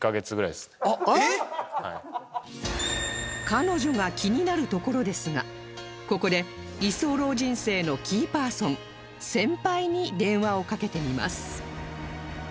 彼女が気になるところですがここで居候人生のキーパーソン「先輩」に電話をかけてみます